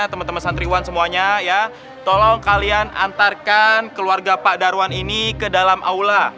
teman teman santriwan semuanya ya tolong kalian antarkan keluarga pak darwan ini ke dalam aula